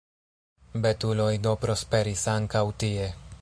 Betuloj do prosperis ankaŭ tie.